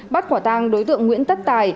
bắt khỏa tăng đối tượng nguyễn tất tài